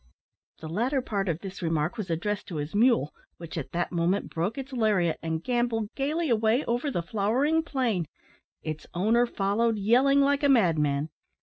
The latter part of this remark was addressed to his mule, which at that moment broke its laryat, and gambolled gaily away over the flowering plain. Its owner followed, yelling like a madman.